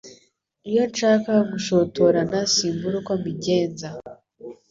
Iyo nshaka gushotorana simbura uko mbigenza